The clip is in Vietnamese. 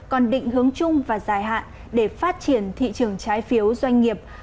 còn định hướng chung và dài hạn để phát triển thị trường trái phiếu doanh nghiệp